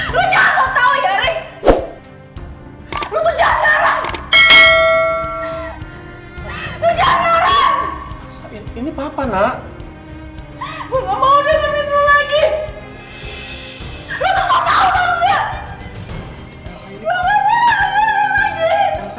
lu gak mau dengerin lu lagi